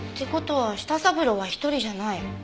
って事は舌三郎は一人じゃない。